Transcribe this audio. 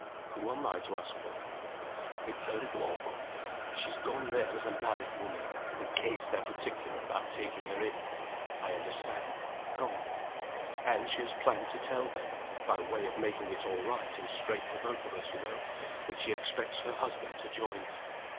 "Who am I to ask for?" "It's a little awkward. She has gone there as a married woman, in case they're particular about taking her in " "I understand. Go on." "And she has planned to tell them (by way of making it all right and straight for both of us, you know) that she expects her husband to join her.